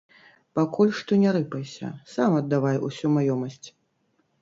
Пакуль што не рыпайся, сам аддавай усю маёмасць.